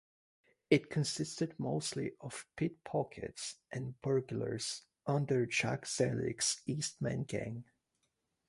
It consisted mostly of pickpockets and burglars, under Jack Zelig's Eastman Gang.